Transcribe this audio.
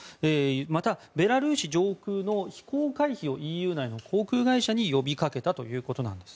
またベラルーシ上空の飛行回避をＥＵ内の航空会社に呼びかけたということです。